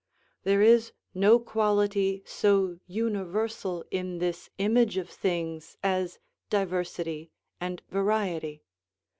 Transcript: There is no quality so universal in this image of things as diversity and variety.